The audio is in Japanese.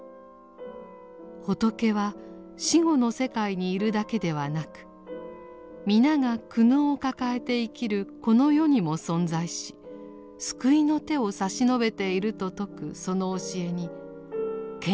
仏は死後の世界にいるだけではなく皆が苦悩を抱えて生きるこの世にも存在し救いの手を差し伸べていると説くその教えに賢治は強くひかれました。